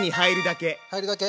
入るだけ？